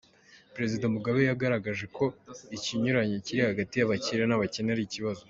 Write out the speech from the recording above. Perezida Mugabe yagaragaje ko ikinyuranyo kiri hagati y’ abakire n’ abakene ari ikibazo.